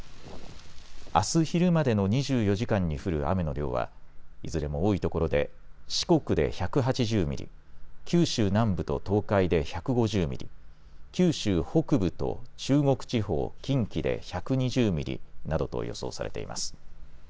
あす昼までの２４時間に降る雨の量はいずれも多いところで四国で１８０ミリ、九州南部と東海で１５０ミリ、九州北部と中国地方、近畿で１２０ミリなどと予想されています。